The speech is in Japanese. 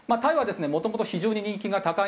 もともと非常に人気が高いんですね。